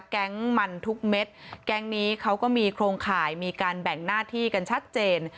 แก๊งมันทุกเม็ดแก๊งนี้เขาก็มีโครงข่ายมีการแบ่งหน้าที่กันชัดเจน